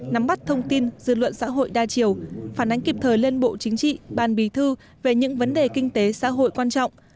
nắm bắt thông tin dư luận xã hội đa chiều phản ánh kịp thời lên bộ chính trị ban bí thư về những vấn đề kinh tế xã hội quan trọng